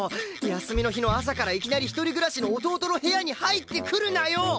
休みの日の朝からいきなり一人暮らしの弟の部屋に入ってくるなよ！